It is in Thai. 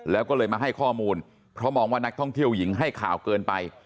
แล้วก็เลยมาให้ข้อมูลเพราะมองว่านักท่องเที่ยวหญิงให้ข่าวเกินไป